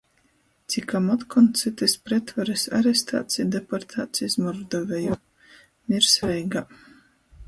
Cikom otkon cytys pretvarys arestāts i deportāts iz Mordoveju. Mirs Reigā.